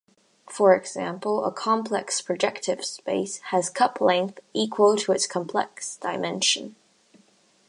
For example a complex projective space has cup-length equal to its complex dimension.